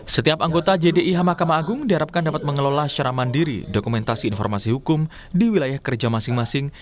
setiap anggota jdih mahkamah agung diharapkan dapat mengelola secara mandiri dokumentasi informasi hukum di wilayah kerja masing masing